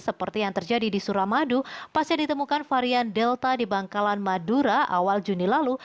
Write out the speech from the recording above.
seperti yang terjadi di suramadu pasca ditemukan varian delta di bangkalan madura awal juni lalu